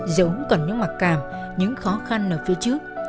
giống còn những mặc cảm những khó khăn ở phía trước